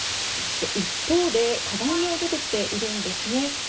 一方で課題も出てきているんですね。